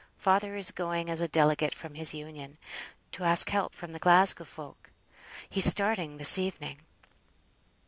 Father is going as a delegate from his Union, to ask help from the Glasgow folk. He's starting this evening."